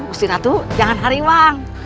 gusti ratu jangan hari wang